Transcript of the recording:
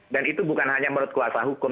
dan itu bukan hanya menurut kuasa hukum